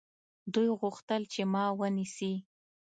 دوی غوښتل چې ما ونیسي.